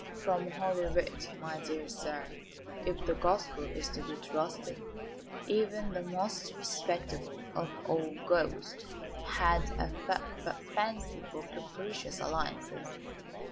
"From Holy Writ, my dear sir. If the Gospel is to be trusted, even the most respectable of all Ghosts had a f f fancy for capricious alliances.